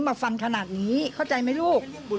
มาฟันขนาดนี้เข้าใจไหมลูก